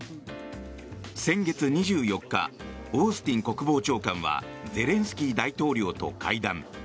先月２４日オースティン国防長官はゼレンスキー大統領と会談。